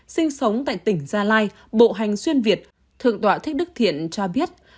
sinh sống tại tỉnh gia lai bộ hành xuyên việt thượng tọa thích đức thiện cho biết